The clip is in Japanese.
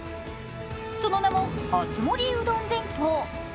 その名も熱盛うどん弁当。